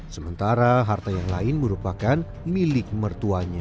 sementara harta yang lain merupakan milik mertuanya